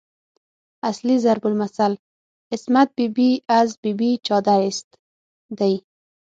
اصلي ضرب المثل "عصمت بي بي از بې چادريست" دی.